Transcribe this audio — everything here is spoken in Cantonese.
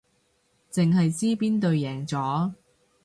淨係知邊隊贏咗